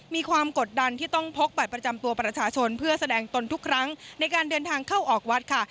มีความกดดันที่ต้องพกบัตรประจำตัวประชาชนเพื่อแสดงตนทุกครั้งในการเดินทางเข้าออกวัดค่ะ